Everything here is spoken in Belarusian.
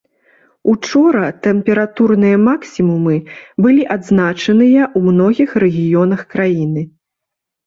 Учора тэмпературныя максімумы былі адзначаныя ў многіх рэгіёнах краіны.